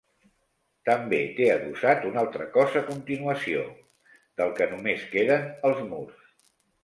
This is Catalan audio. També té adossat un altre cos a continuació, del que només queden els murs.